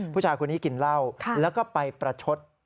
ผู้ชายคนนี้กินเหล้าแล้วก็ไปประชด